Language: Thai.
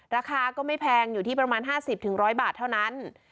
ราคาก็ไม่แพงอยู่ที่ประมาณห้าสิบถึงร้อยบาทเท่านั้น